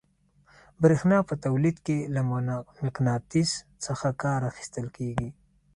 برېښنا په تولید کې له مقناطیس څخه کار اخیستل کیږي.